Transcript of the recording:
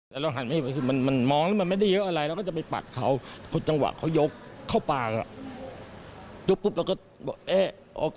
ตัวอ่อนไปเลยเราก็เขย่ากับแล้ว